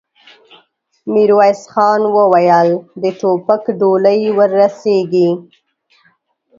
ميرويس خان وويل: د ټوپک ډولۍ ور رسېږي؟